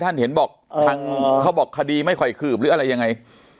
ท่านเห็นบอกทางเขาบอกคดีไม่ค่อยคืบหรืออะไรยังไง